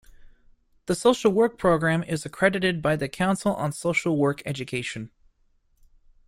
The social work program is accredited by the Council on Social Work Education.